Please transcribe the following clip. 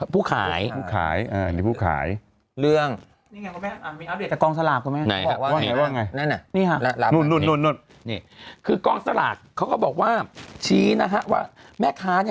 ผู้ขายผู้ขายผู้ขายเรื่องกองสลากไหมนี่คือกองสลากเขาก็บอกว่าชี้นะครับว่าแม่ค้า